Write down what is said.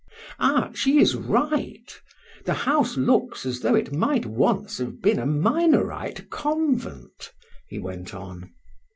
"Ah! she is right. The house looks as though it might once have been a Minorite convent," he went on.